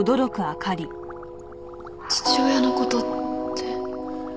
父親の事って？